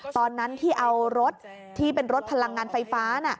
ตอนนั้นที่เอารถที่เป็นรถพลังงานไฟฟ้า